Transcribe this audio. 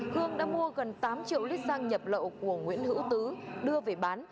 hương đã mua gần tám triệu lít xăng nhập lậu của nguyễn hữu tứ đưa về bán